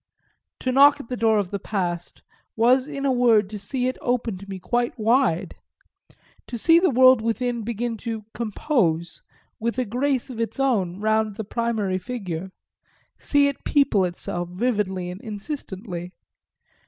To knock at the door of the past was in a word to see it open to me quite wide to see the world within begin to "compose" with a grace of its own round the primary figure, see it people itself vividly and insistently.